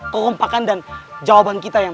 keompakan dan jawaban kita yang